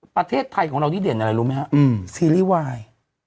ประเทศไทยของเรานี่เด่นอะไรรู้ไหมฮะซีรีส์วาย